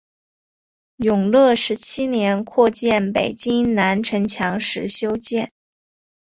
永乐十七年扩建北京南城墙时修建。